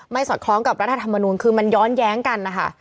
สอดคล้องกับรัฐธรรมนูลคือมันย้อนแย้งกันนะคะ